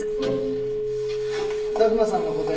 佐久間さんの個展